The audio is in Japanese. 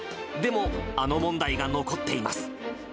でもあの問題が残っています。